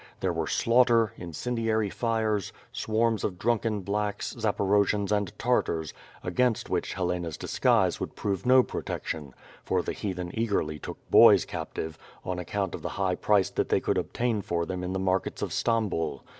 There w ere slaughter, incendiary fires, swarms of drunken blacks, Zaporojians, and Tartars, against which Helena's disguise would prove no protection; for the Heathen eagerly took boys captive, on account of the high price that they could obtain for them in the markets of Stambul.